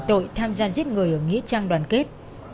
tội tham gia giết người ở nghĩa trang đoàn kết